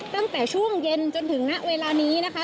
ตั้งแต่ช่วงเย็นจนถึงณเวลานี้นะคะ